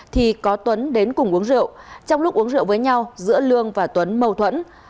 thì có tuấn đến cùng uống rượu trong lúc uống rượu với nhau giữa lương và tuấn mâu thuẫn